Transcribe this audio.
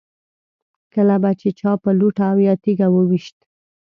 کله به چې چا په لوټه او یا تیږه و ویشت.